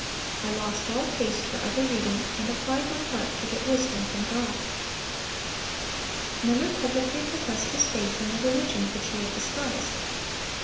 I lost all taste for other reading, and applied my heart to get wisdom from God."(517) Miller publicly professed his faith in the religion which he had despised.